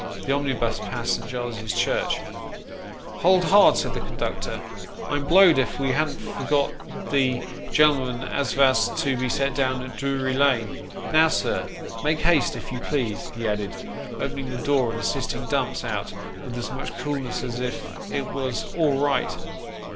The omnibus passed Saint Giles's Church. " Hold hard !" said the conductor ;" I'm blowed if we ha'n't forgot the gen'lm'n as vas to be set down at Doory Lane. Now, sir, make haste, if you please," he added, opening the door, and assisting Dumps out with as much coolness as if it was " all right."